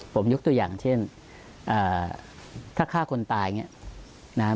ผมยกตัวอย่างเช่นถ้าฆ่าคนตายอย่างนี้นะครับ